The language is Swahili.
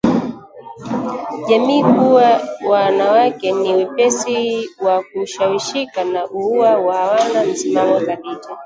jamii kuwa wanawake ni wepesi wa kushawishika na huwa hawana msimamo dhabiti